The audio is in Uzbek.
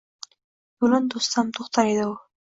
Yoʻlin toʻssam, toʻxtar edi u.